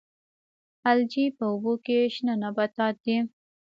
الجی په اوبو کې شنه نباتات دي